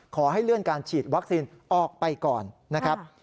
ขอให้เลื่อนการฉีดวัคซีนออกไปก่อนนะครับ